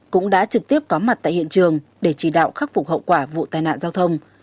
cũng đã trực tiếp có mặt tại hiện trường để chỉ đạo khắc phục hậu quả vụ tai nạn giao thông